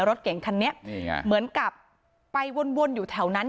รถเก่งคันนี้นี่ไงเหมือนกับไปวนอยู่แถวนั้น